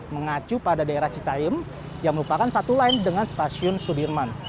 mengacu pada daerah citaim yang merupakan satu lain dengan stasiun sudirman